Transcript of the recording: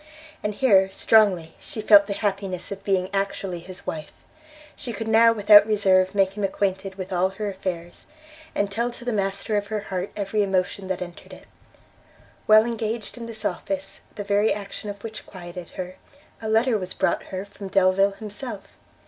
And here strongly she felt the happiness of being actually his wife; she could now without reserve make him acquainted with all her affairs, and tell to the master of her heart every emotion that entered it. While engaged in this office, the very action of which quieted her, a letter was brought her from Delvile himself.